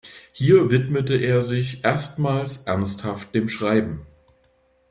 Hier widmete er sich erstmals ernsthaft dem Schreiben.